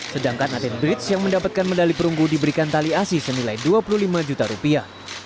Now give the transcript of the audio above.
sedangkan aden bridge yang mendapatkan medali perunggu diberikan tali asi senilai dua puluh lima juta rupiah